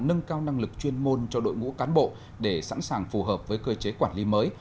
nâng cao năng lực chuyên môn cho đội ngũ cán bộ để sẵn sàng phù hợp với cơ chế quản lý mới